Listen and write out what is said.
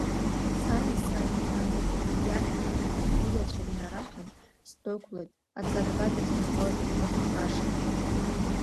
Сани саби анышә иашәҭ ҳәа агәылацәа инараҳәан, сдәықәлеит Аҵарба дахьынхоз иҩны ашҟа.